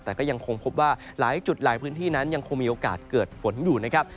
แต่ก็ยังคงพบว่าหลายจุดหลายพื้นที่นั้นยังคงมีโอกาสเกิดฝนอยู่นะครับ